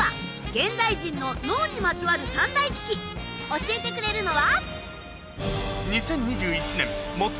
教えてくれるのは？